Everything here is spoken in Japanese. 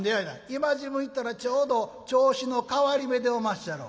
「今時分行ったらちょうど銚子の替り目でおまっしゃろ」。